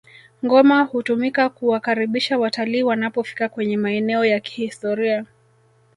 ngoma hutumika kuwakaribisha watalii wanapofika kwenye maeneo ya kihistoria